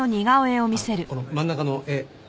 この真ん中の絵。